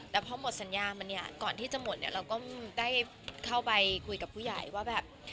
แต่พอหมดสัญญามาเนี่ยก่อนที่จะหมดเนี่ยเราก็ได้เข้าไปคุยกับผู้ใหญ่ว่าแบบ